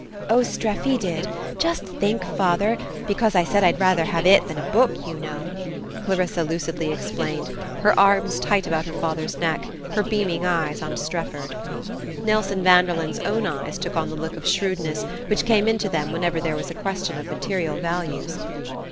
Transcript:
"Oh, Streffy did just think, father! Because I said I'd rather have it than a book, you know," Clarissa lucidly explained, her arms tight about her father's neck, her beaming eyes on Strefford. Nelson Vanderlyn's own eyes took on the look of shrewdness which came into them whenever there was a question of material values.